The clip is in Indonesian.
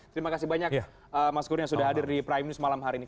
terima kasih banyak mas kurnia sudah hadir di prime news malam hari ini